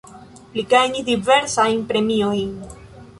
Li gajnis diversajn premiojn.